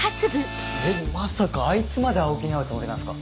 まさかあいつまで青木に会うつもりなんですか？